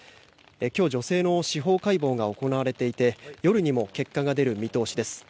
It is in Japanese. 今日、女性の司法解剖が行われていて夜にも結果が出る見通しです。